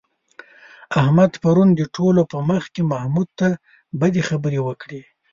احمد پرون د ټولو په مخ کې محمود ته بدې خبرې وکړې.